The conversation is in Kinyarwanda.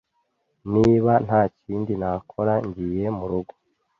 Niba ntakindi nakora, ngiye murugo.